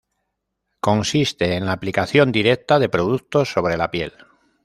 Consiste en la aplicación directa de productos sobre la piel.